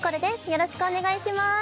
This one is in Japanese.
よろしくお願いします！